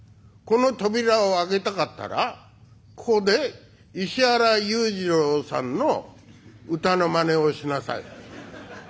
『この扉を開けたかったらここで石原裕次郎さんの歌のまねをしなさい』。